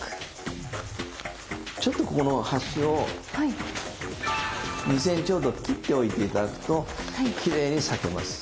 ちょっとここの端を２ｃｍほど切っておいて頂くときれいに裂けます。